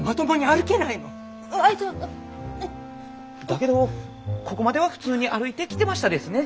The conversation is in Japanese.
だけどここまでは普通に歩いてきてましたですね。